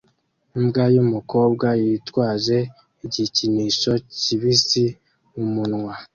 Imbwa yumukobwa yitwaje igikinisho kibisi mumunwa